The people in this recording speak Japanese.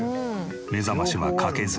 目覚ましはかけず。